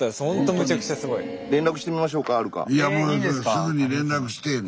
すぐに連絡してぇな。